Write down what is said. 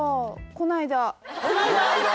こないだ？